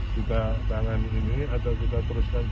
kita tangani ini atau kita teruskan